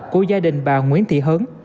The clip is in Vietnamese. của gia đình bà nguyễn thị hớn